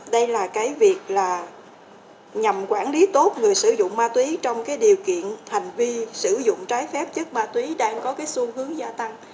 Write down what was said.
đây là cái việc là nhằm quản lý tốt người sử dụng ma túy trong cái điều kiện hành vi sử dụng trái phép chất ma túy đang có cái xu hướng gia tăng